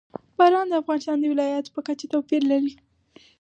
باران د افغانستان د ولایاتو په کچه توپیر لري.